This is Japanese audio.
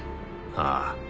ああ。